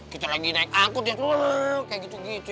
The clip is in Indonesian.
kita lagi naik angkut ya tuh kayak gitu gitu